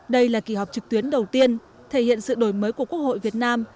đây là kỳ họp trực tuyến đầu tiên thể hiện sự đổi mới của quốc hội việt nam